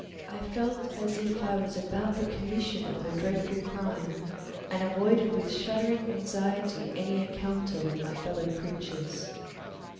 I felt as if I was about the commission of a dreadful crime and avoided with shuddering anxiety any encounter with my fellow creatures.